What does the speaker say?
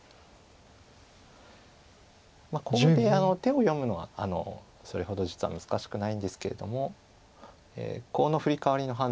コウって手を読むのはそれほど実は難しくないんですけれどもコウのフリカワリの判断が難しいですよね。